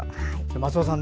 松尾さん